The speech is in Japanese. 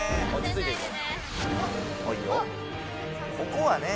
ここはね。